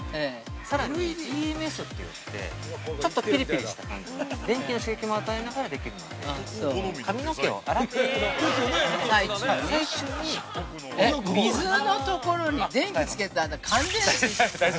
さらに、ＥＭＳといって、ちょっとぴりぴりとした感じ、電気の刺激も与えながらできるので、髪の毛を洗っている最中に、◆水のところに電気つけたら、あなた、感電死！